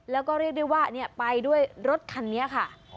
แล้วก็เรียกได้ว่าไปด้วยรถคันนี้ค่ะ